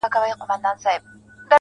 ژوند له باور نه ارام وي.